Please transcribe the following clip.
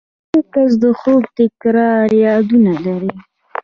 ویده کس د خوب تکراري یادونه لري